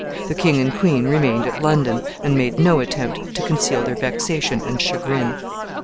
The king and queen remained at London, and made no attempt to conceal their vexation and chagrin.